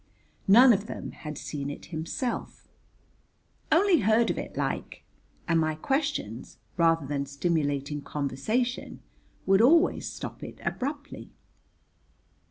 None of them had seen it himself, "only heard of it like," and my questions, rather than stimulating conversation, would always stop it abruptly.